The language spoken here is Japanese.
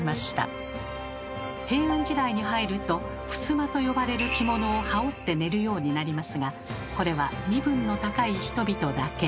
平安時代に入ると「ふすま」と呼ばれる着物を羽織って寝るようになりますがこれは身分の高い人々だけ。